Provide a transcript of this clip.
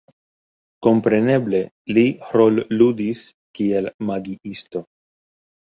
Kompreneble li rolludis kiel magiisto.